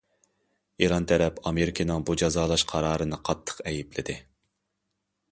ئىران تەرەپ ئامېرىكىنىڭ بۇ جازالاش قارارىنى قاتتىق ئەيىبلىدى.